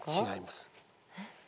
違います。